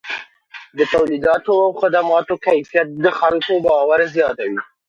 د توليداتو او خدماتو کیفیت د خلکو باور زیاتوي.